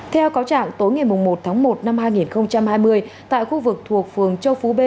theo cáo trạng tối ngày một tháng một năm hai nghìn hai mươi tại khu vực thuộc phường châu phú b